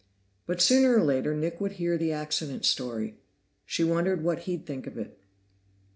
But sooner or later, Nick would hear the accident story; she wondered what he'd think of it.